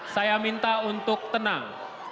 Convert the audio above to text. saya minta untuk tenang